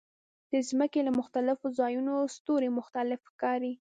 د ځمکې له مختلفو ځایونو ستوري مختلف ښکاري.